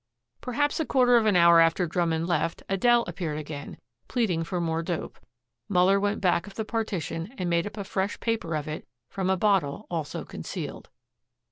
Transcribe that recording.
Perhaps a quarter of an hour after Drummond left Adele appeared again, pleading for more dope. Muller went back of the partition and made up a fresh paper of it from a bottle also concealed.